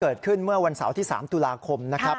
เกิดขึ้นเมื่อวันเสาร์ที่๓ตุลาคมนะครับ